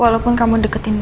walaupun kamu deketin dia